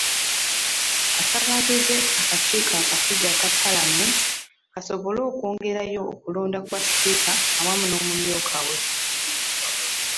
Asaba atuuze akakiiko akafuzi aka Palamenti, kasobole okwongerayo okulonda kwa Sipiika awamu n'omumyuka we.